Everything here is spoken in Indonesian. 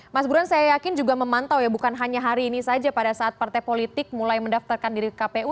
mas burhan saya yakin juga memantau ya bukan hanya hari ini saja pada saat partai politik mulai mendaftarkan diri ke kpu